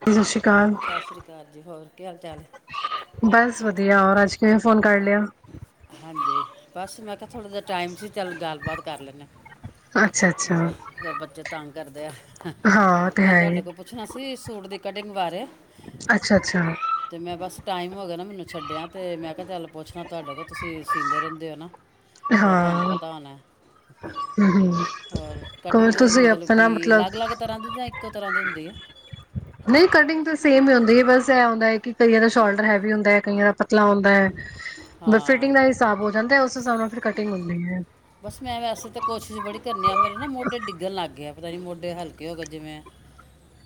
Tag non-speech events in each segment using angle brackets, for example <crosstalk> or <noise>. ਸਤਿ ਸ਼੍ਰੀ ਅਕਾਲ ਸਤਿ ਸ੍ਰੀ ਅਕਾਲ ਜੀ, ਹੋਰ ਕੀ ਹਾਲ-ਚਾਲ ਹੈ? ਵਧੀਆਂ ਹੋਰ ਅੱਜ ਕਿਵੇਂ, ਫੋਨ ਕਰ ਲਿਆ? ਹਾਂਜੀ, ਬਸ ਮੈਂ ਥੋੜਾ ਜਿਹਾ ਟਾਈਮ ਸੀ, ਚੱਲ ਗੱਲਬਾਤ ਕਰ ਲੈਣਾ। ਅੱਛਾ ਅੱਛਾ ਹੋਰ ਫੇਰ ਬੱਚੇ ਤੰਗ ਕਰਦੇ ਆ। ਹਾਂ ਤੇ ਮੈਂ ਹੈ ਹੀ ਤੁਹਾਡੇ ਕੋਲ ਪੁੱਛਣਾ ਸੀ ਸੂਟ ਦੇ ਕਟਿੰਗ ਕਰ ਅੱਛਾ ਅੱਛਾ, ਟਾਈਮ ਹੋ ਗਿਆ ਨਾ ਮੈਨੂੰ ਛੱਡਿਆ ਅਤੇ ਮੈਂ ਕਿਹਾ ਚੱਲ ਪੁੱਛਣਾ ਤੁਹਾਡੇ ਕੋਲ ਤੁਸੀਂ ਸੀਂਦੇ ਰਹਿੰਦੇ ਹੋ ਨਾ ਥੋੜਾ ਤੁਹਾਨੂੰ ਹਮ ਪਤਾ ਹੋਣਾ ਹਮ ਹੋਰ ਕੋਲ ਕਟਿੰਗ ਤੁਸੀਂ ਮਤਲਬ ਕਿ ਆਪਣਾ ਮਤਲਬ ਅਲੱਗ ਅਲੱਗ ਤਰ੍ਹਾਂ ਦੀ ਜਾਂ ਇੱਕੋ ਤਰ੍ਹਾਂ ਦੇ ਹੁੰਦੀ ਹੈ ਨਹੀਂ ਕਟਿੰਗ ਤਾਂ ਸੇਮ ਹੀ ਹੁੰਦੀ ਹੈ ਬਸ ਐ ਹੈ ਕਿ ਕਈਆਂ ਦਾ ਸ਼ੋਲਡਰ ਹੈਵੀ ਹੁੰਦਾ ਹੈ ਕਈਆਂ ਦਾ ਪਤਲਾ ਹੁੰਦਾ ਹੈ ਬ ਫਿਟਿੰਗ ਹਾਂ, ਦਾ ਹਿਸਾਬ ਹੋ ਜਾਂਦਾ ਹੈ, ਉਸ ਹਿਸਾਬ ਨਾਲ ਫਿਰ ਕਟਿੰਗ ਹੁੰਦੀ ਹੈ ਬਸ ਮੈਂ ਵੈਸੇ ਤਾਂ ਕੋਸ਼ਿਸ਼ ਬੜੀ ਕਰਨ ਆ ਮੇਰੇ ਨਾ ਮੋਢੇ ਡਿੱਗਣ ਲੱਗ ਗਿਆ। ਪਤਾ ਨੀ ਮੋਢੇ ਹਲਕੇ ਹੋ ਗਏ ਜਿਵੇਂ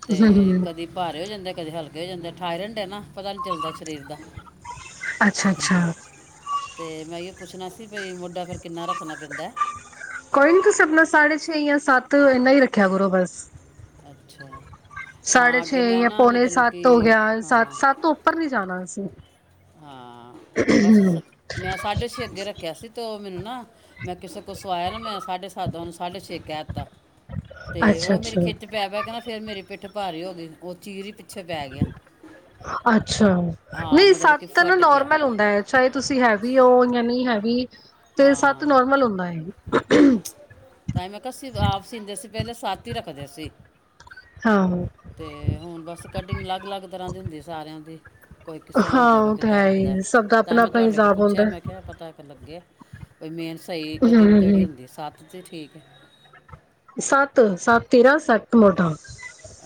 ਤੇ ਹਮ ਹਮ ਕਦੀ ਭਾਰੇ ਹੋ ਜਾਂਦੇ ਕਦੇ ਹਲਕੇ ਹੋ ਜਾਂਦੇ ਆ ਠਾਇਰੈਂਡ ਨਾ ਪਤਾ ਨੀ ਚੱਲਦਾ ਸਰੀਰ ਦਾ ਅੱਛਾ ਅੱਛਾ, ਅਤੇ ਮੈਂ ਇਹੀਓ ਪੁੱਛਣਾ ਸੀ ਭਈ ਮੁੱਡਾ ਫਿਰ ਕਿੰਨਾ ਰੱਖਣਾ ਪੈਂਦਾ ਕੋਈ ਨੀ ਤੁਸੀਂ ਆਪਣਾ ਸਾਢੇ ਛੇ ਜਾਂ ਸੱਤ ਇੰਨਾ ਹੀ ਰੱਖਿਆ ਕਰੋ ਬਸ ਅੱਛਾ ਸਾਢੇ ਹਾਂ ਛੇ ਅੱਗੇ ਮੈਂ ਜਾਂ ਨਾ ਪੌਣੇ ਮਤਲਬ ਕਿ ਸੱਤ ਹੋ ਗਿਆ ਸੱਤ ਹਾਂ ਸੱਤ ਤੋਂ ਉੱਪਰ ਨੀ ਜਾਣਾ ਅਸੀਂ ਹਾਂ ਬਸ ਮੈਂ ਸਾਢੇ ਛੇ ਅੱਗੇ ਰੱਖਿਆ ਸੀ ਤੇ ਉਹ ਮੈਨੂੰ ਨਾ ਮੈਂ ਕਿਸੇ ਕੋ ਸੋਂ ਆਇਆ ਨਾ ਮੈਂ ਸਾਢੇ ਸੱਤ ਦਾ ਉਹਾਨੂੰ ਸਾਢੇ ਛੇ ਕਹਿ ਕਹਿ ਤਾਂ ਤੇ ਅੱਛਾ ਉਹ ਮੇਰੀ ਅੱਛਾ ਖਿੱਚ ਪੈ ਪੈ ਕੇ ਨਾ ਫਿਰ ਮੇਰੇ ਪਿੱਠ ਭਾਰੇ ਹੋ ਗਏ ਉਹ ਚੀਰੀ ਅੱਛਾ ਹਾਂ ਨਹੀਂ ਮਤਲਬ ਸਤ ਕਿ ਤਾਂ ਨਾ ਫਟ ਗਿਆ ਨੋਰਮਲ ਹੁੰਦਾ ਹੈ ਚਾਹੇ ਤੁਸੀਂ ਹੈਵੀ ਹੋ ਜਾਂ ਨਹੀਂ <unintelligible> ਤੇ ਸੱਤ ਹਾਂ ਨੋਰਮਲ ਹੁੰਦਾ ਹੈ ਮੈਂ <unintelligible> ਆਪ ਸੀਦੇ ਸੀ ਪਹਿਲੇ ਸੱਤ ਹੀ ਰੱਖਦੇ ਸੀਂ ਹਾਂ ਤੇ ਹੁਣ ਬਸ ਕਟਿੰਗ ਅਲੱਗ ਅਲੱਗ ਤਰ੍ਹਾਂ ਦੀ ਹੁੰਦੀ ਸਾਰਿਆਂ ਦੀ ਕੋਈ ਕਿਸ ਤਰ੍ਹਾਂ ਹਾਂ ਰੱਖਦਾ ਕੋਈ ਉਹ ਤਾਂ ਕਿੱਦਾਂ ਹੈ ਰੱਖਦਾ ਹੀ ਸਭ ਦਾ ਤਾਂ ਆਪਣਾ ਮੈਂ ਆਪਣਾ ਤੁਹਾਡੇ ਕੋਲ ਹਿਸਾਬ ਹੁੰਦਾ ਪੁੱਛਿਆ ਮੈਂ ਕਿਹਾ ਪਤਾ ਲੱਗੇ ਕੋਈ ਮੇਨ ਸਹੀ ਕਟਿੰਗ ਕਿਹੜੀ ਹਮ ਹੁੰਦੀ ਸੱਤ ਜੀ ਠੀਕ ਹੈ ਸੱਤ ਸੱਤ ਤੇਰਾਂ ਸੱਤ ਮੋਟਾ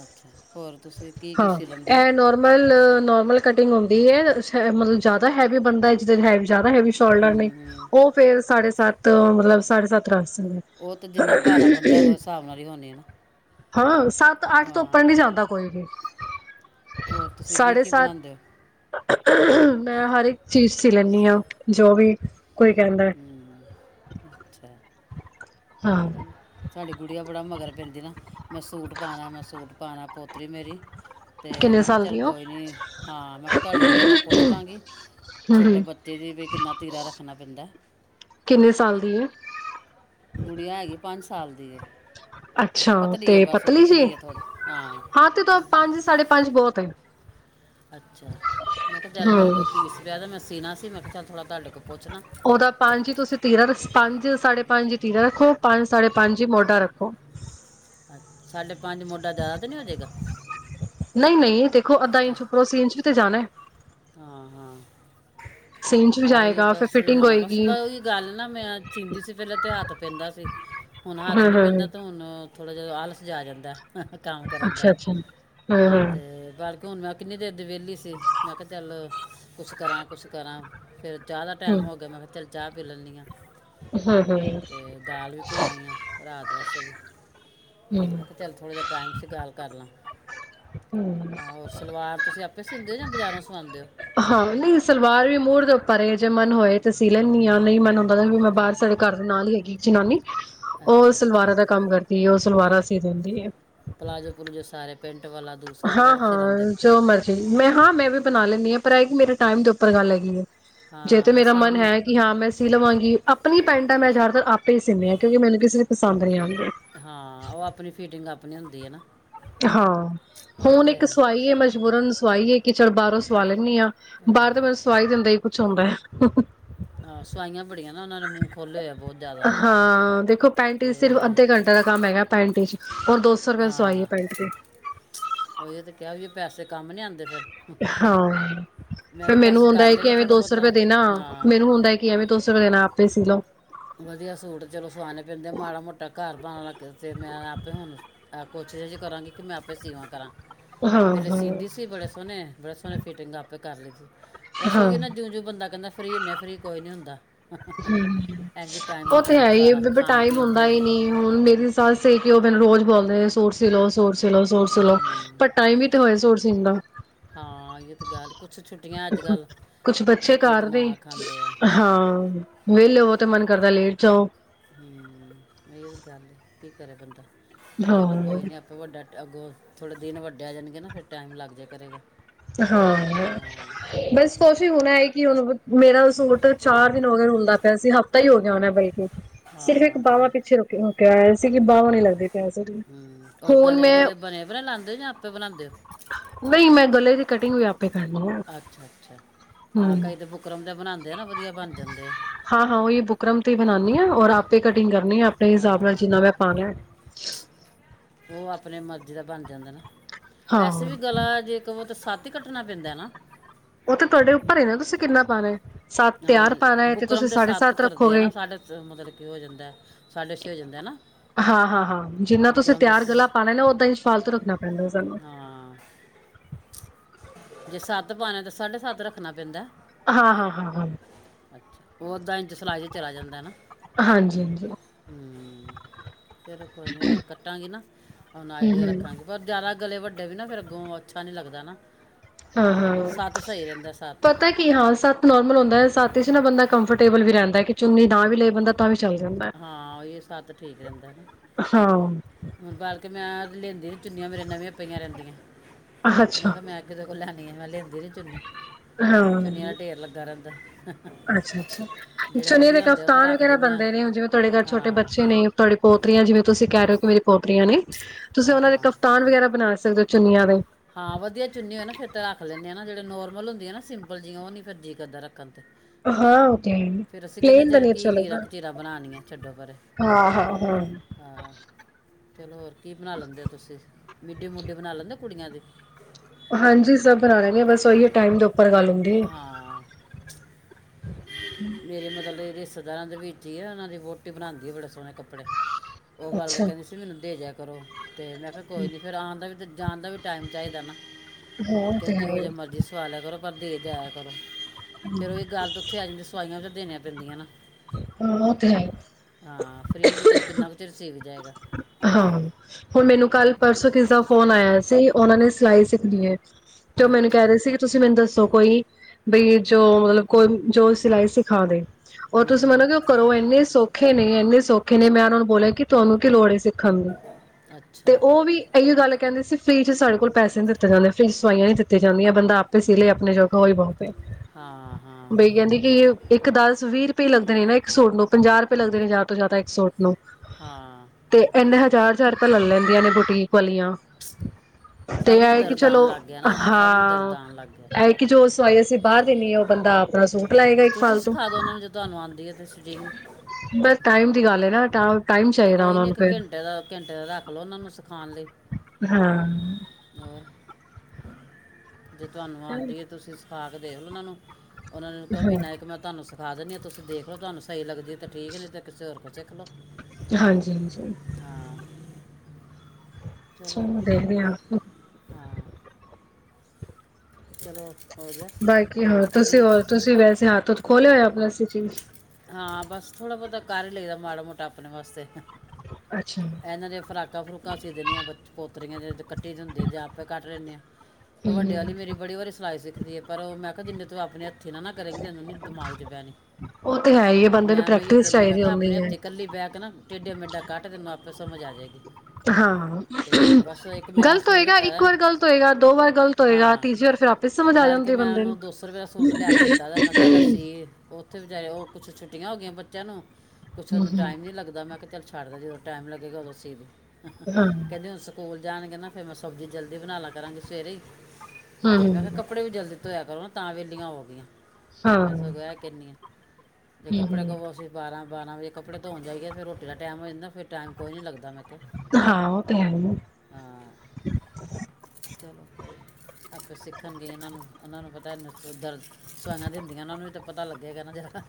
ਅੱਛਾ ਹੋਰ ਤੁਸੀਂ ਕੀ ਕੀ ਹਾਂ ਸੀ ਲੈਂਦੇ ਹੋ ਇਹ ਨੌਰਮਲ ਨੌਰਮਲ ਕਟਿੰਗ <unintelligible> ਮਤਲਬ ਜ਼ਿਆਦਾ ਹੈਵੀ ਬਣਦਾ ਹੈਵੀ। ਜ਼ਿਆਦਾ ਹੈਵੀ ਹੂੰ ਸ਼ੋਲਡਰ ਨੇ ਹੂੰ ਉਹ ਫੇਰ ਸਾਡੇ ਸੱਤ ਮਤਲਬ ਸਾਢੇ ਸੱਤ ਸਕਦੇ ਉਹ ਤੇ ਜਿੰਨਾ ਭਾਰਾ ਬੰਦਾ ਹੈਗਾ ਹਿਸਾਬ ਨਾਲ ਹੀ ਹੁੰਦੀ ਹਾਂ, ਸੱਤ ਅੱਠ ਤੋਂ ਉੱਪਰ ਨੀ ਜਾਂਦਾ ਹੋਰ ਤੁਸੀਂ ਕੀ ਸਾਢੇ ਕੀ ਸੱਤ ਬਣਾਉਂਦੇ ਹੋ ਮੈਂ ਹਰ ਇੱਕ ਚੀਜ਼ ਸੀ ਲੈਂਦੀ ਹਾਂ ਜੋ ਵੀ। ਕੋਈ ਕਹਿੰਦਾ ਹਮ ਅੱਛਾ, ਹੈ। ਸਾਡੀ ਗੁੜੀਆ ਬੜਾ ਮਗਰ ਪੈਂਦੀ ਨਾ। ਮੈਂ ਸੂਟ ਪਾਣਾ ਮੈਂ ਸੂਟ ਪਾਣਾ ਪੋਤਰੀ ਮੇਰੀ। ਅਤੇ ਕਿੰਨੇ ਮੈਂ ਕਿਹਾ ਸਾਲ ਚੱਲ ਦੀ ਹੋ? ਕੋਈ ਨਹੀਂ ਹਾਂ ਮੈਂ ਕਿਹਾ ਤੁਹਾਡੇ ਕੋਲ ਥੋੜ੍ਹਾ ਪੁੱਛ ਲਾਂਗੀ ਹੂੰ ਛੋਟੇ ਹੂੰ, ਬੱਚੇ ਦੀ ਵੀ ਕਿੰਨਾ ਤੀਰਾ ਰੱਖਣਾ ਪੈਂਦਾ। ਕਿੰਨੇ ਸਾਲ ਦੀ ਐ। ਗੁੜੀਆ ਹੈਗੀ ਪੰਜ ਸਾਲ ਦੀ ਹੈ। ਅੱਛਾ ਪਤਲੀ ਤੇ ਹੈ ਬਸ ਉਹ ਪਤਲੀ ਜੀ ਹੈ ਥੋੜੀ ਹਾਂ ਤੇ ਤ ਪੰਜ ਸਾਢੇ ਪੰਜ ਬਹੁਤ ਐ। ਅੱਛਾ, ਮੈਂ ਕਿਹਾ ਜਲ ਮੇਰੇ ਹਮ ਕੋਲ ਪੀਸ ਪਿਆ ਤੇ ਮੈਂ ਸੀਣਾ ਸੀ। ਤੇ ਮੈਂ ਕਿਹਾ ਚਲ ਥੋੜਾ ਘੱਟ ਕਰੋ। ਉਹਦਾ ਪੰਜ ਹੀ ਤੁਸੀਂ ਤੀਰਾ ਦੱਸਿਆ। ਪੰਜ ਸਾਢੇ ਪੰਜ ਤੀਰਾ ਰੱਖੋ, ਪੰਜ ਸਾਢੇ ਪੰਜ ਹੀ ਮੋਢਾ ਰੱਖੋ। ਸਾਡੇ, ਪੰਜ ਮੋਢਾ ਜ਼ਿਆਦਾ ਤਾਂ ਨੀ ਹੋ ਜੇਗਾ। ਨਹੀਂ, ਨਹੀਂ ਦੇਖੋ ਅੱਧਾ ਇੰਚ ਉੱਪਰੋਂ ਸੀਨ ਚ ਵੀ ਤੇ ਜਾਣਾ। ਹਾਂ, ਹਾਂ। ਸੀ ਇੰਚ ਵੀ ਆਹੋ ਹੀ ਜਾਏਗਾ ਫਿਰ ਬਸ ਫਿਟਿੰਗ ਹਾਂ ਬਸ ਹੋਏਗੀ ਉਹੀ ਗੱਲ ਨਾ ਮੈਂ ਚੀਂਦੀ ਸੀ, ਪਹਿਲਾਂ ਤੇ ਹੱਥ ਪੈਂਦਾ ਸੀ ਹੁਣ ਹੱਥ ਨੀ ਹਮ ਹਮ ਪੈਂਦਾ ਤੇ ਹੁਣ। ਥੋੜ੍ਹਾ ਜਿਹਾ ਆਲਸ ਜਾ ਆ ਜਾਂਦਾ। ਕੰਮ ਕਰਨ ਦਾ ਅੱਛਾ ਅੱਛਾ ਹਮ ਹਮ ਤੇ ਬਰ ਕਿ ਹੁਣ ਮੈਂ ਕਿੰਨੀ ਦੇਰ ਦੀ ਵਿਹਲੀ ਸੀ ਮੈਂ ਚੱਲ ਕੁਛ ਕਰਾਂ, ਕੁਛ ਕਰਾਂ ਫਿਰ ਜ਼ਿਆਦਾ ਟਾਈਮ ਹਮ ਹੋ ਗਿਆ, ਮੈਂ ਕਿਹਾ ਚੱਲ ਚਾਹ ਪੀ ਲੈਂਦੀ ਆਂ। ਹਮ ਹਮ ਤੇ ਦਾਲ ਵੀ ਭਿਉਂ ਆਈ ਆ ਰਾਤ ਵਾਸਤੇ ਵੀ ਹਮ ਮੈਂ ਕਿਹਾ ਚੱਲ ਥੋੜਾ ਜਿਹਾ ਟਾਈਮ ਸੀ ਗੱਲ ਕਰਲਾਂ। ਹਮ ਆਹੋ ਸਲਵਾਰ ਤੁਸੀਂ ਆਪੇ ਸੀ ਜਾਂ ਬਜ਼ਾਰੋਂ ਸੀਂ ਸਬਾਉਂਦੇ ਔ। ਹਾਂ ਨਹੀਂ ਸਲਵਾਰ ਵੀ ਮੂਡ ਦੇ ਉੱਪਰ ਜੇ ਮਨ ਹੋਏ, ਤੇ ਸੀਅ ਲੈਂਨੀ ਆਂ ਨਹੀਂ ਮਨ ਹੁੰਦਾ ਵੀ ਮੈਂ ਬਾਹਰ ਸਾਡੇ ਘਰ ਦੇ ਨਾਲ ਹੀ ਹੈਗੀ ਇਕ ਜਨਾਨੀ ਉਹ ਅੱਛਾ ਅੱਛਾ ਸਲਵਾਰਾਂ ਦਾ ਕੰਮ ਕਰਦੀ ਐ ਉਸ ਸਲਵਾਰਾਂ ਸੀਅ ਦਿੰਦੀ ਐ। ਪਲਾਜ਼ੋ ਪਲੂਜੋ ਸਾਰੇ ਪਿੰ ਹਾਂ-ਹਾਂ ਜੋ ਮਰਜੀ ਮੈਂ ਹਾਂ ਮੈਂ ਵੀ ਬਣਾ ਲੈਂਨੀ ਹਾਂ, ਪਰ ਇਹ ਕਿ ਮੇਰੇ ਟਾਈਮ ਦੇ ਉੱਪਰ ਗੱਲ ਹੈਗੀ ਹੈ। ਜੇ ਹਾਂ ਤੇ ਬਸ ਮੇਰਾ ਸਭ ਮਨ ਨੂੰ ਹੈ ਕਿ ਹਾਂ ਮੈਂ ਸੀਅ ਲਵਾਂਗੀ, ਆਪਣੀ ਪੈਂਟਾਂ ਮੈਂ ਜਾ ਆਪੇ ਹੀ ਸੀਮੇ ਐ ਕਿਉਂਕਿ ਮੈਨੂੰ ਕਿਸੇ ਪਸੰਦ ਨਹੀਂ ਆਉਂਦੇ। ਹਾਂ, ਉਹ ਆਪਣੀ ਫਿਟਿੰਗ ਆਪਣੀ ਹੁੰਦ ਦੀ ਐ ਨਾ। ਹਾਂ, ਇਹ ਹੁਣ ਤੇ ਹੈ ਇੱਕ ਹੀ ਸਵਾਈ ਹੈ, ਮਜਬੂਰਨ ਸਵਾਈ ਐ। ਕਿ ਚਲ ਬਾਹਰੋਂ ਸਵਾ ਲੈਂਨੀ ਆ ਬਾਹਰ ਦੇ ਬਾਰ ਸਵਾਈ ਦਿੰਦਾ ਈ ਕੁਛ ਆਂਦਾ। <unintelligible> ਆ ਸਵਾਈਆਂ ਬੜੀਆਂ ਨਾ, ਉਹਨਾਨੇ ਮੂੰਹ ਖੋਲੇ ਆ ਬਹੁਤ ਜ਼ਿਆਦਾ। ਹਾਂ ਦੇਖੋ ਪੈਂਟ ਤੇ ਸਿਰਫ ਅੱਧੇ ਘੰਟੇ ਦਾ ਕੰਮ ਹੈਗਾ, ਪੈਂਟ ਚ ਦੋ ਸੌ ਰੁਪਏ ਸਮਾਈ ਏ ਪੈਂਟ ਦੀ। ਉਈਓ ਤੇ ਕਿਹਾ ਵੀ, ਪੈਸੇ ਕੰਮ ਨੀ ਆਂਦੇ ਫਿਰ। ਹਾਂ। ਮੈਂ ਫੇਰ ਵੀ ਮੈਨੂੰ ਬਸ ਹੁੰਦਾ ਕਰ ਹੈ, ਕਿ ਲੈਨੇ ਐਵੇਂ ਥੋੜਾ ਦੋ ਸੌ ਬਹੁਤਾ ਰੁਪਏ ਦੇ ਆ, ਹਾਂ ਮੈਨੂੰ ਹੁੰਦਾ ਹੈ, ਕਿ ਐਵੇਂ ਦੋ ਸੌ ਰੁਪਏ ਦੇਨਾ। ਪੇਸੇ ਲਾਓ। ਵਧੀਆ ਸੂਟ ਚਲੋ ਸਵਾਨੇ ਪੈਂਦੇ, ਮਾੜਾ ਮੋਟਾ ਘਰ ਪਾਣ ਲੱਗ ਤੇ ਮੈਂ ਆਪੇ ਹੁਣ ਕੋਸ਼ਿਸ਼ ਚ ਕਰਾਂਗੀ, ਕਿ ਮੈਂ ਆਪੇ ਸਵਾ ਕਰਾਂ। ਹਾਂ ਪਹਿਲੇ ਹਾਂ ਸੀਂਦੀ ਸੀ, ਬੜੇ ਸੋਹਣੇ- ਬੜੇ ਸੋਹਣੇ ਫਿਟਿੰਗ ਆਪੇ ਕਰ ਲਈ ਜ ਬਸ ਹਾਂ ਉਹੀ ਨਾ ਜਿਉ-ਜਿਉ ਬੰਦਾ ਕਹਿੰਦਾ ਫਰੀ ਹੁਨੇ ਆ, ਫ੍ਰਰੀ ਕੋਈ ਨਹੀਂ ਹੁੰਦਾ। ਹੂੰ। ਇੰਜ ਟਾਈਮ ਉਹ ਨਿਕਲ ਤੇ ਜਾਂਦਾ ਹੈ ਹੀ ਸਾਰਾ ਖਾਣ ਟਾਈਮ ਪੀਣ ਹੁੰਦਾ ਤੇ ਹੀ ਨੀ, ਹੁਣ ਮੇਰੀ ਸੱਸ ਐ ਔਦੇ ਨਾਲ ਰੋਜ਼ ਬੋਲਦੇ ਸੂਟ ਸੀ ਲੋ, ਸੂਟ ਸੀ ਲੋ। ਸੂਟ ਸੀ ਲੋ, ਸੂਟ ਸੀ ਲੋ ਪਰ ਟਾਈਮ ਹੀ ਤੇ ਹੋਏ ਸੂਟ ਸੀਨ ਦਾ। ਹਾਂ ਇਹ ਗੱਲ ਕੁਛੁਟੀ ਕੁਛ ਬੱਚੇ ਘਰ ਨੇ, ਖਾਂਦੇ ਆ ਹਾਂ, ਵਿਹਲੇ ਹੋਵੋ ਤੇ ਮਨ ਕਰਦਾ ਲੇਟ ਜਾਓ। ਹਮ, ਇਹਹੀ ਤੇ ਗੱਲ ਹੈ, ਕੀ ਕਰੇ ਬੰਦਾ? ਚਲੋ ਕੋਈ ਨੀ, ਹਾਂ ਆਪਾਂ ਵੱਡਾ। ਅੱਗੋਂ ਥੋੜ੍ਹੇ ਦਿਨ ਵੱਡੇ ਆ ਜਾਣਗੇ ਨਾ, ਫਿਰ ਟਾਈਮ ਲੱਗ ਜਾਏ ਕਰੇਗਾ। ਹਾਂ, ਬਸ ਕੁਛ ਹੋਣਾ ਹੈ ਕਿ ਉਹਨੂੰ ਮੇਰਾ ਸੂਟ ਚਾਰ- ਦਿਨ ਹੋਗੇ ਰੁਲਦਾ ਪਿਆ ਸੀ, ਹਫ਼ਤਾ ਹੀ ਹੋ ਗਿਆ ਹੋਣਾ ਬਲਕਿ ਸਿਰਫ ਇੱਕ ਹਾਂ ਬਾਹਵਾਂ ਪਿੱਛੇ ਠੀਕ ਰੁਕੇ- ਰੁਕਿਆ ਹੋਇਆ ਸੀ ਕਿ, ਬਾਹਵਾਂ ਨਹੀਂ ਲੱਗਦੀ ਪਈਆ ਸੀ, ਹੂੰ ਔਰ ਹੁਣ ਗਲੇ ਮੈਂ ਗੁਲੇ ਬਣੇ ਬਣੇ ਲਾਉਂਦੇ ਹੋ ਜਾਂ ਆਪੇ ਬਣਾਉਂਦੇ ਹੋ ਨਹੀਂ ਮੈਂ ਗਲੇ ਚ ਆਪਾਂ <unintelligible> ਅੱਛਾ -ਅੱਛਾ, ਅ ਹਮ ਕਈ ਤੇ ਬੁਕਰਮ ਦੇ ਬਣਾਉਂਦੇ ਆ ਨਾ ਵਧੀਆ ਬਣ ਜਾਂਦੇ ਆ ਹਾਂ- ਹਾਂ ਉਹੀ ਬੁਕਰਮ ਤੇ ਹੀ ਬਨਾਨੀ ਹਾਂ ਔਰ ਤੇ ਕਟਿੰਗ ਆਪਣੇ ਹਿਸਾਬ ਨਾਲ, ਹਾਂ ਜਿੰਨਾ ਮੈਂ ਪਾਣੈ ਉਹ ਆਪਣੇ ਮਰਜ਼ੀ ਦਾ ਬਨ ਜਾਂਦਾ ਨਾ। ਵੈਸੇ ਵੀ ਹਾਂ ਗਲਾ ਜੇ ਇੱਕ ਤਾਂ ਸੱਤ ਕੱਟਨਾ ਪੈਂਦਾ ਨਾ। ਉਹ ਤੇ ਤੁਹਾਡੇ ਉੱਪਰ ਹੇ ਨਾ, ਤੁਸੀਂ ਕਿੰਨਾ ਪਾ ਰਹੇ। ਹਾਂ, ਬੁਕਰਮ ਦੇ ਸੱਤ ਕਰਦੇ ਆ ਨਾ, ਸਾਡੇ ਚ ਮਤਲਬ ਕੀ ਹੋ ਜਾਂਦਾ ਸਾਡੇ -ਛੇ ਹੋ ਜਾਂਦਾ ਨਾ, ਹਾਂ ਹਾਂ ਹਾਂ ਜਿੰਨਾ ਤੁਸੀਂ ਬੁਕਰਮ ਦੇ ਤਿਆਰ ਗਲਾ ਪਾਉਣਾ ਨਾ ਓਦਾਂ ਇੰਚ ਫਾਲਤੂ ਰੱਖਣਾ ਪੈਂਦਾ ਸਾਨੂੰ ਹਾਂ। ਜੇ ਸੱਤ ਪਾਨੈ ਤਾਂ, ਸਾਢੇ- ਸੱਤ ਰੱਖਨਾ ਪੈਂਦਾ। ਹਾਂ, ਹਾਂ, ਹਾਂ- ਹਾਂ। ਉਹ ਅੱਧਾ- ਇੰਚ ਸਿਲਾਈ ਚ ਚਲਾ ਜਾਂਦਾ ਹੈਨਾ। ਹਾਂਜੀ ਹਾਂਜੀ ਹਮ, ਚਲੋ ਕੋਈ ਨੀ ਉਹਨੂੰ ਕੱਟਾਂਗੀ ਨਾ, ਹੂਨ ਆਈਡੀਆ ਹੂੰ-ਹੂੰ, ਰੱਖਾਂਗੀ। ਪਰ ਜ਼ਿਆਦਾ ਗਲੇ ਵੱਡੇ ਵੀ ਨਾ ਫੇਰ ਅੱਗੋਂ, ਅੱਛਾ ਨੀ ਲੱਗਦਾ ਨਾ। ਹਾਂ, ਅਹ ਹਾਂ ਮਤਲਬ ਸੱਤ ਸਹੀ ਰਹਿੰਦਾ ਸੱਤ ਪਤਾ ਕੀ ਹਾਂ ਸੱਤ ਨੋਰਮਲ ਹੁੰਦਾ। ਸੱਤ ਚ ਨਾ ਬੰਦਾ ਕੰਫਰਟੇਬਲ ਵੀ ਰਹਿੰਦਾ, ਕਿ ਚੁੰਨੀ ਨਾ ਵੀ ਲੈ ਬੰਦਾ ਤਾਂ ਵੀ ਚੱਲ ਜਾਂਦਾ। ਹਾਂ, ਓਈਹੋ ਸੱਤ ਠੀਕ ਰਹਿੰਦੈ, ਹਾਂ, ਹੁਣ ਬਲਕਿ ਮੈਂ ਲੈਂਦੀ ਨੀ ਚੁੰਨੀਆਂ, ਮੇਰੇ ਨਵੀਆਂ ਪਈਆਂ ਰਹਿੰਦੀਆਂ। ਅੱਛਾ ਮੈਂ ਕਿਹਾ ਮੈਂ ਅੱਗੇ ਦੇ ਉਹ ਲੇਨ੍ਹੀਂ ਆ ਮੈ ਲੈਂ ਦੀ ਚੁੰਨੀ, ਚੁੰਨੀਆਂ ਦਾ ਢੇਰ ਲੱਗਾ ਰਹਿੰਦਾ। ਅੱਛਾ- ਅੱਛਾ, ਜਿਹੜੇ ਚਲੋ ਇਹਦੇ ਵਧੀਆ ਹੁੰਦੇ ਉਹ ਤਾਂ ਕਫਤਾਨ ਰੱਖ ਵਗੈਰਾ ਦਿੰਨੇ ਆ ਬਨਦੇ ਨੇ ਉਹ ਜਿਵੇਂ ਤੁਵਾਡੇ ਘਰ ਛੋੇਟੇ ਹਾਂ ਬੱਚੇ ਨੇ, ਤੁਹਾਡੀ ਪੋਤਰੀਆਂ ਜਿਵੇਂ ਤੁਸੀ ਕੈ ਰੇ ਹੋ ਕਿ, ਮੇਰੀ ਪੋਤਰੀਆਂ ਨੇ। ਤੁਸੀਂ ਔਨਾਂ ਦੇ ਹਾਂ ਕਫਤਾਨ ਵਗੈਰਾ ਬਣਾ ਸਕਦੇ ਓ? ਚੁਨੀਆਂ ਦੇ। ਹਾਂ ਵਧੀਆ ਚੁੰਨੀ ਹੋਏ ਨਾ ਫੇਰ ਤੇ, ਰੱਖ ਲੈਂਣੇ ਆ ਨਾ ਜੇੜੇ ਨੋਰਮਲ ਹੁੰਦੀਆ ਨਾ ਸਿੰਪਲ ਜਿਆ, ਔ ਨੀ ਫਿਰ ਜੀਅ ਕਰਦਾ ਰੱਖਣ ਤੇ। ਹਾਂ। ਤੇ ਹੈ ਈ, ਫੇਰ ਅਸੀਂ ਕੈੰਣੇ ਆ ਪਲੇਨ ਦਾ ਚੱਲ ਨੀ ਅੱਛਾ ਕੀ, ਲੀਰਾਂ ਲੱਗਦਾ। ਕਚੀਰਾਂ ਬਣਾਨੀਐ ਛੱਡੋ ਪਰੇ, ਹਾਂ-ਹਾਂ-ਹਾਂ, ਹਾਂ। ਚਲੋ ਔਰ ਕੀ ਬਨਾ ਲੈਂਦੇ ਔ ਤੁਸੀਂ, ਮਿੱਡੀ ਮੁੱਡੀ ਬਨਾ ਲੈਂਦੇ ਔ ਕੁੜੀਆਂ ਦੀ? ਹਾਂਜੀ, ਸਭ ਬਨਾ ਲੈਣੀ ਆ, ਬਸ ਔਈਔ ਟਾਈਮ ਦੇ ਉਪ ਹਾਂ ਮੇਰੀ ਮਤਲਬ ਏ ਰਿਸ ਸਰਦਾਰਾਂ ਦੇ ਵਿੱਚ ਈ ਐ, ਓਨਾਂ ਦੀ ਵੋਟੀ ਬਣਾਂਦੀ ਏ ਬੜੇ ਸੋਣੇ ਕੱਪੜੇ। ਔ ਬਲਕੇ ਅੱਛਾ, ਕੈੰਦੀ ਸੀ ਮੈਨੂੰ ਦੇ ਜਾ ਕਰੋ। ਤੇ ਮੈਂ ਕਿਆ ਕੋਈ ਨਹੀਂ ਫੇਰ ਆਣ ਦਾ ਵੀ ਤੇ ਜਾਣ ਦਾ ਵੀ ਟਾਈਮ ਚਾਹੀਦਾ ਨਾ‌ ਹਾਂ ਉਹ ਤੇ ਕਹਿੰਦੇ ਹੈ ਜਿਹੋ ਈ, ਜੇ ਮਰਜ਼ੀ ਸਵਾ ਲਿਆ ਕਰੋ। ਪਰ ਦੇ ਜਾਇਆ ਕਰੋ। ਫੇਰ ਔਹੀ ਗੱਲ ਤੇ ਉੱਥੇ ਆ ਜਾਂਦੀ ਸਵਾਈਆਂ ਜੌ ਦੇਣਿਆ ਪੈਂਦੀਆਂ ਨਾ। ਹਾਂ ਉਹ ਤੇ ਹੈ ਹਾਂ ਫ੍ਰੀ ਵੀ ਕੋਈ ਈ, ਕਿੰਨਾ ਕੁ ਚਿਰ ਸੀ ਵੀ ਜਾਏਗਾ ਹਾਂ ਹੁਣ ਮੈਨੂੰ ਤੇ ਕੱਲ ਪਰਸੋਂ ਕਿਸੀ ਦਾ ਫੋਨ ਆਇਆ ਸੀ ਓਨਾਂ ਨੇ ਸਿਲਾਈ ਸਿਖ ਤੇ ਔ ਮੈਨੂੰ ਕਹਿ ਅੱਛਾ ਰਹੇ ਸੀ ਕਿ ਤੁਸੀਂ ਮੈਨੂੰ ਦਸ ਦੱਸੋ ਕੋਈ ਬਈ ਜੋ ਮਤਲਬ ਕੋਈ ਜੋ ਸਿਲਾਈ ਸਿਖਾ ਦੇ। ਔਰ ਤੁਸੀਂ ਹੂੰ ਮੰਨੋਗੇ ਓਹ ਘਰੋ ਐਨੇ ਸੌਖੇ ਨੇ ਐਨੇ ਸੌਖੇ ਨੇ ਮੈਂ ਅ ਓਨਾਂ ਨੂੰ ਬੋਲਿਆ ਕਿ ਤੁਹਾਨੂੰ ਕੀ ਲੋੜ ਏ ਸੀ‌। ਖਾਂਦੇ ਤੇ ਅੱਛਾ ਔ ਵੀ ਇਹੀਓ ਗੱਲ ਕਹਿੰਦੇ ਸੀ ਫ੍ਰੀ ਚ ਸਾਡੇ ਕੋਲ ਪੈਸੇ ਨੀ ਦਿੱਤੇ ਜਾਂਣੇ ਫ੍ਰੀ ਚ ਸਵਾਈਆਂ ਨੀ ਦਿੱਤੀ ਜਾਂਦੀਆਂ। ਬੰਦਾ ਆਪੇ ਸੀ ਲੇ ਅਪਣੇ ਜੋਗਾ ਔਹੀ ਬੌਤ ਹਾਂ ਹਾਂ ਬਈ ਕਹਿੰਦੀ ਕਿ ਇੱਕ ਦਸ ਵੀਹ ਰੁ ਲੱਗਦੇ ਨੇ ਨਾ ਇੱਕ ਸੂਟ ਨੂੰ ਪੰਜਾਹ ਰੁਪਏ ਲੱਗਦੇ ਨੇ ਜਿਆਦਾ ਤੋਂ ਜਿਆਦਾ ਇੱਕ ਸੂਟ ਨੂੰ ਹਾਂ ਤੇ ਐਨੇ ਹਜ਼ਾਰ ਹਜ਼ਾਰ ਰੁਪਾ ਲੈ ਲੈਣ <unintelligible> ਵਾਲੀਆਂ ਤੇ ਸਭ ਐ ਨੂੰ ਏ ਕਿ ਦਰਦ ਆਉਣ ਚਲੋ ਲੱਗ ਗਿਆ ਨਾ ਸਭ ਨੂੰ ਦਰਦ ਹਾਂ ਆਉਣ ਲੱਗ ਗਿਆ ਐ ਏ ਕਿ ਜੋ ਸਵਾਈ ਅਸੀ ਬਾਹਰ ਦੇਨੀ ਐ, ਔ ਬੰਦਾ ਆਪ ਤਰਾ ਸੂਟ ਲਏਗਾ ਇੱਕ ਤੁਸੀਂ ਫਾਲਤੂ। ਸਿਖਾ ਦਿਓ ਉਹਨਾਂ ਨੂੰ ਜੇ ਤੁਹਾਨੂੰ ਆਂਦੀ ਹੈ <unintelligible> ਬਸ ਟਾਈਮ ਦੀ ਗੱਲ ਹੈ ਨਾ ਤਾਂ ਤੇ ਕੋਈ ਨੀ ਇੱਕ ਘੰਟੇ ਦਾ ਘੰਟੇ ਦਾ ਰੱਖ ਲਿਓ ਉਹਨਾ ਨੂੰ ਸਿਖਾਣ ਲਈ ਹਾਂ, ਹੋਰ ਜੇ ਤੁਹਾਨੂੰ ਆਂਦੀ ਹੈ ਤੁਸੀਂ <unintelligible> ਉਨਾਂ ਨੂੰ ਕਹੋ ਹਾਂ ਮਹੀਨਾ ਇੱਕ ਮੈਂ ਤੁਹਾਨੂੰ ਸੁ ਖਾ ਦਿੰਦੇ ਆ ਤੁਸੀਂ ਦੇਖ ਲੋ ਤੁਹਾਨੂੰ ਸਹੀ ਲੱਗਦੀ ਤਾਂ ਠੀਕ ਹੈ ਨਹੀਂ ਕਿਸੇ ਹੋਰ ਕੁਛ <unintelligible> ਹਾਂਜੀ ਹਾਂਜੀ ਚ ਚਲੋ ਦੇਖਦੇ ਆ ਹਾਂ <inaudible> ਬਾਕੀ ਹੋ ਹਾਂ ਤੁਸੀਂ ਫ੍ਰੀ ਹੋਰ ਤੁਸੀਂ ਵੈਸੇ ਹੱਥ ਹਥ ਖੋਲਲੇ ਹੋਆ ਆਪਣਾ ਜ ਜੀ ਹਾਂ ਬਸ ਥੋੜਾ ਬਹੁਤਾ ਘਰ ਲਈਦਾ ਮਾੜਾ ਮੋਟਾ ਆਪਣੇ ਵਾਸਤੇ ਅੱਛਾ ਇਹਨਾਂਆਂ ਫਰਾਕਾਂ ਫਰੂਕਾਂ ਸੀ ਦਿੰਦੀਾਂ ਪੋਤਰੀਆਂ ਦੇ ਕੱਟੀ ਦੀ ਹੁੰਦੀ ਜ ਆਪੇ ਕੱਟ ਲੈਂਦੇ ਹਾਂ ਤੇ ਵੱਡੇ ਹਮ ਵਾਲੀ ਮੇਰੀ ਬੜੀ ਵਾਰੀ ਸਿਈ ਸੀ ਪਰ ਉਹ ਮੈਂ ਕਿਹਾ ਜਿੰਨੇ ਤੂੰ ਆਪਣੇ ਹੱਥੀ ਨਾ ਨਾ ਕਰੇਗੀ ਤੈਨੂੰ ਦਿਮਾਗ 'ਚ ਬਹਿਣੀ ਉਹ ਤੇ ਹੈ ਹੀ ਹੈ ਬੰਦੇ ਮੈਂ ਨੂੰ ਉਹਨੂੰ ਇੋ ਪ੍ਰੈਕਟਿਸ ਕਹਿੰਦੀ ਮੈਂ ਚਾਹੀਦੀ ਕਿਹਾ ਆਪਣੇ ਹੁੰਦੀ ਹੈ ਹੱਥੀ ਇਕੱਲੀ ਬਹਿ ਕੇ ਨਾ ਟੇਡੇ ਮੇਡਾ ਕੱਢ ਤੈਨੂੰ ਆਪਣੇ ਤਾਂ ਸਮਝ ਆ ਜਾਏਗੀ ਹਾਂ ਤੇ ਬਸ ਇੱਕ ਮੈਂ ਗ਼ਲਤ ਸੂਟ ਹੋਏਗਾ ਦਿੱਤਾ ਇੱਕ ਹੈ ਵਾਰ ਗ਼ਲਤ ਹੋਏਗਾ ਦੋ ਵਾਰ ਗ਼ਲਤ ਹੋਏਗਾ ਹਾਂ ਤੀਜੀ ਵਾਰ ਫਿਰ ਆਪਿਸ ਸਮਝ ਆ ਜਾਂਦੀ ਬਲਕਿ ਹੈ ਮੈਂ ਬੰਦੇ ਉਹਨੂੰ ਨੂੰ ਰੁਪਏ ਦਾ ਸੂਟ ਲਿਆ ਕੇ ਦਿੱਤਾ ਦਾ ਮੈਂ ਕਿਹਾ ਲੈ ਸੀ ਉੱਥੇ ਵਿਚਾਰੇ ਉਹ ਕੁਛ ਛੁੱਟੀਆਂ ਹੋ ਗਈਆਂ ਬੱਚਿਆਂ ਨੂੰ ਹਮ ਕੁਛਨੂੰ ਹਮ ਟਾਈਮ ਨੀ ਲੱਗਦਾ ਮੈਂ ਕਹਿੰ ਛੱਡ ਦੇ ਟਾਈਮ ਲੱਗੇਗਾ ਉਦੋਂ ਸੀ ਹਾਂ ਕਹਿੰਦੇ ਹ ਸਕੂਲ ਜਾਣਗੇ ਨਾ ਫੇਿਰ ਮੈਂ ਸਬਜ਼ੀ ਜਲਦੀ ਬਣਾ ਲਾ ਕਰਾਂਗੀ ਸਵੇਰੇ ਤੇ ਮੈਂ ਕਿਹਾ ਕਿਹਾ ਹੂੰ, ਕੱਪੜੇ ਵੀ ਜਲ ਦਿੱਤੇ ਧੋਇਆ ਕਰੋ ਤਾਂ ਵੇਲੀਆਂ ਹੋ ਗਆਂ ਹਾਂ, ਮੈਂ ਸਗੋਂ ਕਿੰਨੀ ਆ ਜੇ ਕੱਪੜੇ ਹੂੰ, ਕੁਵੋਸੀ ਬਾਰਾਂ ਬਾਰਾਂ ਵਜੇ ਕਪੜੇ ਧੋ ਜਾਈ ਫਿਰ ਰੋਟੀ ਦਾ ਟਮ ਹੋ ਜਾਂਦਾ ਫਿਰ ਟਾਈਮ ਕੋਈ ਨਹੀਂ ਲੱਗਦਾੈੂੰ ਹਾਂ ਉਹ ਤੇ ਹੈ ਹੀ। ਹਾਂ ਚਲੋ ਕੋਈ ਨਹੀਂ ਆਪਾਂ ਸਿੱਖਣਗੇ ਇਹਨਾਂ ਨੂੰ ਉਹਨਾਂ ਨੂੰ ਪਤਾ ਦਰਦ ਸਵਾਈਆਂ ਦਿੰਦੀਆਂ ਉਹ ਨੂੰ ਪਤਾ ਲੱਗੇਗਾ ਨਾ ਜਿਹੜਾ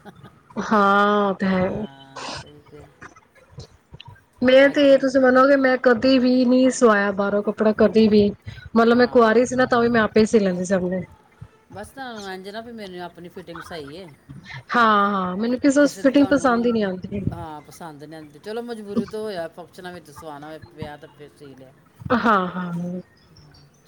ਹਾਂ ਉਹ ਤਾਂ ਹੈ। ਤੇ ਤੇ ਮੈਂ ਅੱਜ ਤੇ ਤਾਂ ਇਹ ਤੁਸੀਂ ਮੰਨੋਗੇ ਮੈਂ ਕਦੇ ਵੀ ਨਹੀਂ ਸਵਾਇਆ। ਬਾਹਰੋਂ ਕੱਪੜਾ ਕਦੇ ਵੀ ਮਤਲਬ ਮੈਂ ਕੁਆਰੀ ਹਾਂ ਸੀ ਨਾ ਤਾਂ ਵੀ ਮੈਂ ਆਪੇ ਸੀ ਲੈਂਦੀ ਸਣੇ ਬਸ ਤੁਹਾਨੂੰ ਇੰਜ ਨਾ ਵੀ ਮੈਨੂੰ ਆਪਣੀ ਫਿਟਿੰਗ ਸਹੀ ਹੈ ਮੈਨੂੰ ਕਿਸੇ ਫਿਟਿੰਗ ਪਸੰਦ ਤੁਹਾਨੂੰ ਹੀ ਨਹੀਂ ਆਉਂਦੀ। ਹਾਂ ਪਸੰਦ ਨ ਆਉਂਦੀ ਚਲੋ ਮਜਬੂਰੀ ਤੋਂ ਹੋਇਆ ਫੰਕਸ਼ਨਾਂ ਵਿੱਚ ਜ ਸੋਆਣਾ ਹੋਵੇ ਵਿਆਹ ਤਾਂ ਫਿਰ ਸੀ ਲਿਆ। ਹਾਂ- ਹਾਂ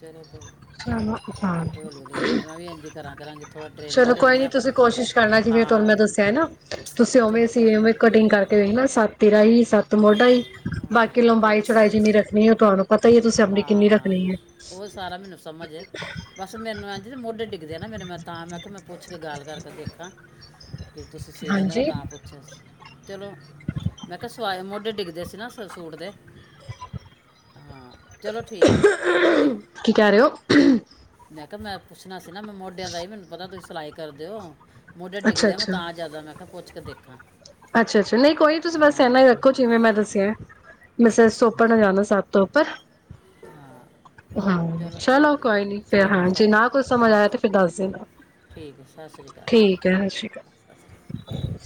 ਚਲੋ ਕੋਈ ਚੋ ਹ ਆਪੇ ਹੌਲੀ ਹੌਲੀ ਆਪ- ਮੈਂ ਵੀ ਇੰਜ ਹੀ ਕਰਾਂ ਕਰਾਂਗੇ ਥੋੜਾ ਟ੍ਰੇਨਿੰਗ ਚਲੋ ਕੋਈ ਲੈਣੀ ਆ ਨੀ ਆਪਣੇ ਤੁਸੀਂ ਸੀ ਕੋਸ਼ਿਸ਼ ਕਰਨਾ ਜਿਵੇਂ ਤੁਹਾਨੂੰ ਮੈਂ ਹਾਂ ਦੱਸਿਆ ਨਾ ਤੁਸੀਂ ਉਵੇਂ ਚਲੋ ਕੋਈ ਸੀਵੇਂ ਨਹੀਂ ਕਟਿੰਗ ਕਰਕੇ ਵੇਖਣਾ ਸੱਤ ਤੀਰਾ ਹੀ ਸੱਤ ਮੋਢਾ ਹੀ ਬਾਕੀ ਹਾਂ ਲੰਬਾਈ ਚਲੋ ਚੜਾਈ ਕੋਈ ਜਿੰਨੀ ਰੱਖਣੀ ਹੈ ਤੁਹਾਨੂੰ ਪਤਾ ਹੀ ਤੁਸੀਂ ਆਪਣੀ ਹਾਂ ਕਿੰਨੀ ਹਾਂ ਰੱਖਣੀ ਹੈ। ਉਹ ਸਾਰਾ ਮੈਨੂੰ ਬਸ ਮੈਨੂੰ ਇੰਜ ਮੋਢੇ ਡਿੱਗੇ ਨਾ ਮੇਰੇ ਮੈਂ ਤਾਂ ਮੈਂ ਕਿਹਾ, ਮੈਂ ਪੁੱਛ ਕੇ ਗੱਲ ਕਰਕੇ ਤਾਂ ਦੇਖਾਂ ਫੇਰ ਤੁਸੀਂ ਸੀ ਲੈਂਦੇ, ਮੈਂ ਹਾਂਜੀ। ਤਾਂ ਪੁੱਛਿਆ ਸੀ। ਚਲੋ, ਮੈਂ ਕਿਹਾ ਸਵਾਏ ਮੁੋਢੇ ਡਿੱਗ ਦੱਸਣਾ ਸੀ ਸੂਟ ਦੇ ਹਾਂ ਚਲੋ ਠੀਕ ਹੈ। ਓਕੇ ਕੀ ਕਹਿ ਰਹੇ ਓ। ਕੁਛ ਨਾ <unintelligible> ਨਾ ਮੋਢਿਆਂ ਦਾ ਹੀ ਮੈਨੂੰ ਪਤਾ ਸੀ ਸਿਲਾਈ ਕਰਦੇ ਹੋ। ਮੁੋਢਾ ਅੱਛਾ ਡਿੱਗਦੇ ਆ ਨਾ ਅੱਛਾ ਤਾਂ ਜੈਦਾ ਮੈਂ, ਤਾਂ ਜਿਆਦਾ ਮੈਂ ਕਿਹਾ ਪੁੱਛ ਦੇਖਾਂ ਅੱਛਾ ਅੱਛਾ ਨਹੀਂ ਕੋਈ ਨੀ ਤੁਸੀਂ ਬਸ ਇਨਾ ਹਾਂ ਹੀ ਰੱਖੋ ਜਿਵੇਂ ਮੈਂ ਦੱਸਿਆ <unintelligible> ਮਿਸਿਸ ਸੋਪੜ ਅੱਛਾ ਨਾਲ ਜਾਦਾਥ ਧਰੋਪਾ <inaudible> ਹਾਂ ਹਾਂ ਚਲੋ ਠੀਕ ਹੈ ਕੋਈ ਨੀ, ਫਿਰ ਠੀਕ ਹੈ ਹਾਂ ਜੀ ਨਾ ਸਸ ਕੋਈ ਸਮਝ ਆਇਆ ਸਸ ਤੇ ਫਿਰ ਦੱਸ ਦੇਣਾ ਠੀਕ ਹੈ ਸਤਿ ਸ਼੍ਰੀ ਅਕਾਲ ਠੀਕ ਹੈ। ਸਤ ਸ਼੍ਰੀ ਅਕਾਲ।